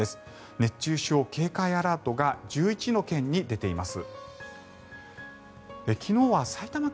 熱中症警戒アラートが１１の県に出ています。